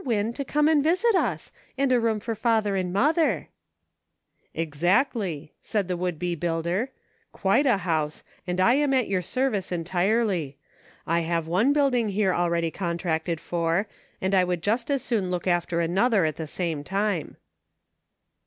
Win, to come and visit us ; and a room for father and mother." " Exactly," said the would be builder. " Quite a "march ! I SAID." 15 house, and I am at your service entirely. I have one building here already contracted for, and I would just as soon look after another at the same time."